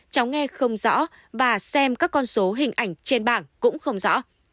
cháu nghe không rõ và xem các con số hình ảnh trên bảng cũng không rõ